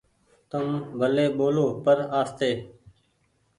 تم ڀلي ٻولو پر آستي۔